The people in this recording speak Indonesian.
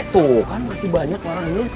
tuh kan masih banyak orang ini